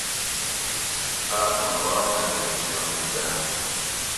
آۤس ما باد انگریزی شامل کۤراۤں